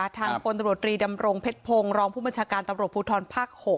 ทางพลตรตรีดำโรงเผ็ดโพงรองผู้บัญชการตรภูทรภ๖